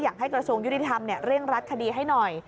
กระทรวงยุติธรรมเร่งรัดคดีให้หน่อย